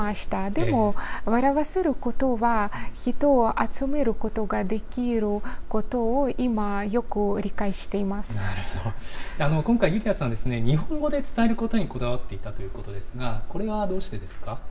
でも、笑わせることは、人を集めることができることを今、今回、ユリヤさんですね、日本語で伝えることにこだわっていたということですが、これはどうしてですか。